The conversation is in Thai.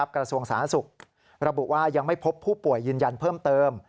กระทรวงสาธารณสุขระบุว่ายังไม่พบผู้ป่วยยืนยันเพิ่มเติม